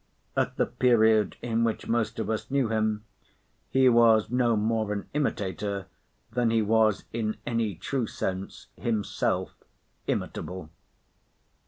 At the period in which most of us knew him, he was no more an imitator than he was in any true sense himself imitable.